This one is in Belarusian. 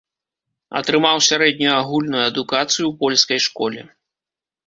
Атрымаў сярэднюю агульную адукацыю ў польскай школе.